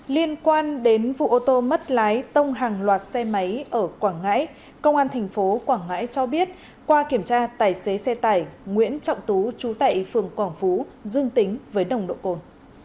liên quan đến vụ ô tô mất lái tông hàng loạt xe máy ở quảng ngãi công an tp quảng ngãi cho biết qua kiểm tra tài xế xe tải nguyễn trọng tú trú tại phường quảng phú dương tính với nồng độ cồn